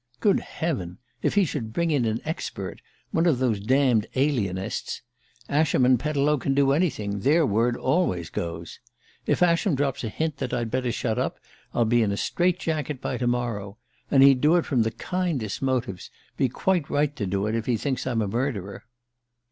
"Good heaven! If he should bring in an expert one of those damned alienists! Ascham and Pettilow can do anything their word always goes. If Ascham drops a hint that I'd better be shut up, I'll be in a strait jacket by to morrow! And he'd do it from the kindest motives be quite right to do it if he thinks I'm a murderer!"